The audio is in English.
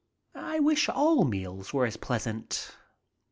I wish all meals were as pleasant.